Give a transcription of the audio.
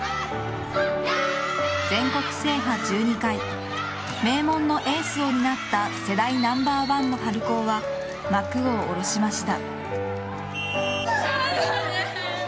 全国制覇１２回名門のエースを担った世代ナンバーワンの春高は幕を下ろしました。